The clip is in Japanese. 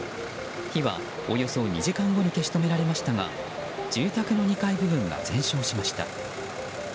火は、およそ２時間後に消し止められましたが住宅の２階部分が全焼しました。